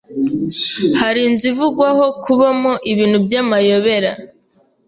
Hari inzu ivugwaho kubamo ibintu by’amayobera